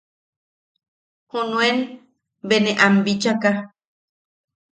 Junuen, be ne am bichaka.